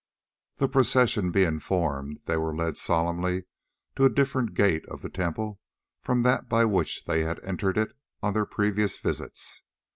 The procession being formed, they were led solemnly to a different gate of the temple from that by which they had entered it on their previous visits.